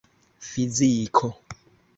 fiziko